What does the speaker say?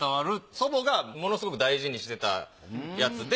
祖母がものすごく大事にしてたやつで。